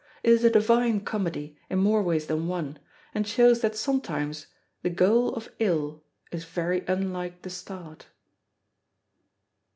It is a divine comedy, in more ways than one; and shows that sometimes the goal of ill is very unlike the start.